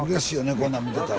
こんなん見てたら。